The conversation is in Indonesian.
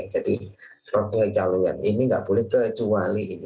jadi perkejaluan ini tidak boleh kecuali ini